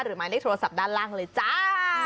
หรือมาได้โทรศัพท์ด้านล่างเลยจ้า